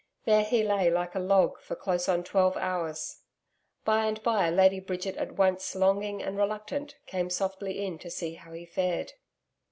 There he lay like a log for close on twelve hours. By and by, Lady Bridget, at once longing and reluctant, came softly in to see how he fared.